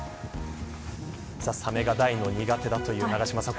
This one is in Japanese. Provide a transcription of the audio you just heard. サメが大の苦手という永島さん